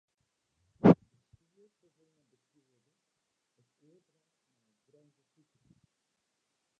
De swier ferwûne bestjoerder is oerbrocht nei it Grinzer sikehús.